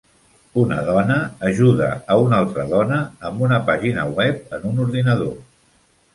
Una dona ajuda a una altra dona amb una pàgina web en un ordinador.